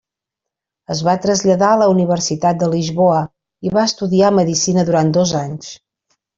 Es va traslladar a la Universitat de Lisboa i va estudiar medicina durant dos anys.